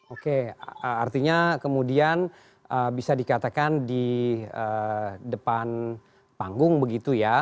oke artinya kemudian bisa dikatakan di depan panggung begitu ya